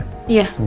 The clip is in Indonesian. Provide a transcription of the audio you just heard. ke rumah sakit dulu